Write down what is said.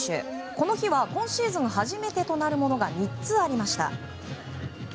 この日は、今シーズン初めてとなるものが３つありました。